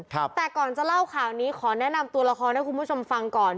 แต่ก่อนจะเล่าข่าวนี้ขอแนะนำตัวละครให้คุณผู้ชมฟังก่อน